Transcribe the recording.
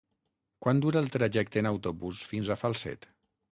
Quant dura el trajecte en autobús fins a Falset?